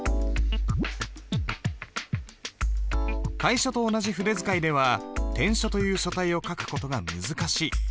楷書と同じ筆使いでは篆書という書体を書く事が難しい。